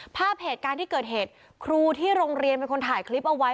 ภาพเหตุการณ์ที่เกิดเหตุครูที่โรงเรียนเป็นคนถ่ายคลิปเอาไว้